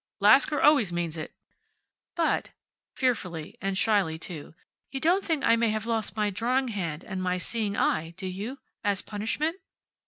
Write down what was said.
"Lasker always means it." "But," fearfully, and shyly, too, "you don't think I may have lost my drawing hand and my seeing eye, do you? As punishment?"